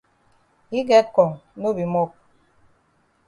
Yi get kong no be mop.